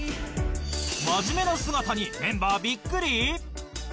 真面目な姿にメンバーびっくり？